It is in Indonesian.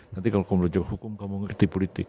nanti kalau kamu belajar hukum kamu ngerti politik